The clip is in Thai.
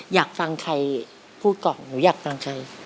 อยากฟังใครพูดก่อนหนูอยากฟังใคร